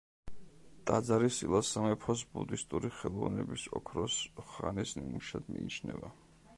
ტაძარი სილას სამეფოს ბუდისტური ხელოვნების ოქროს ხანის ნიმუშად მიიჩნევა.